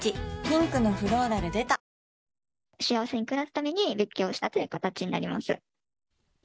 ピンクのフローラル出た幸せに暮らすために別居したという形になります。